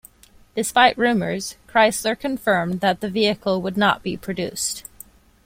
Despite rumours, Chrysler confirmed that the vehicle would not be produced.